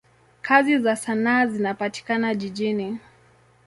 Kazi za sanaa zinapatikana jijini.